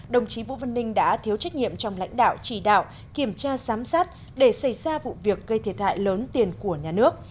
đồng chí vũ văn ninh đã thiếu trách nhiệm trong lãnh đạo chỉ đạo kiểm tra giám sát để xảy ra vụ việc gây thiệt hại lớn tiền của nhà nước